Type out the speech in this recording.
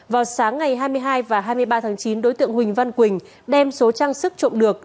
vào sáng ngày hai mươi hai và hai mươi ba tháng chín đối tượng huỳnh văn quỳnh đem số trang sức trộm được